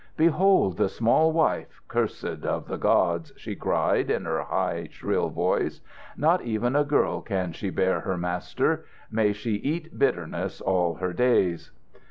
"Behold the small wife, cursed of the gods!" she cried in her high, shrill voice. "Not even a girl can she bear her master. May she eat bitterness all her days!"